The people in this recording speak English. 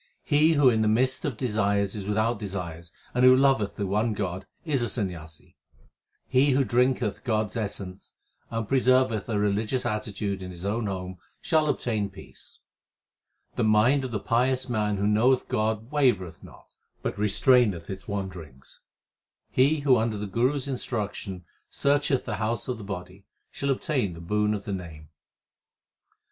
He who in the midst of desires is without desires, and who loveth the one God is a Sanyasi. He who drinketh God s essence and preserveth a religious attitude in his own home shall obtain peace. The mind of the pious man who knoweth God wavereth not, but restraineth its wanderings. He who under the Guru s instruction searcheth the house of the body, shall obtain the boon of the Name.